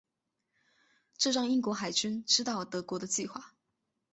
这让英国海军知道了德国的计划。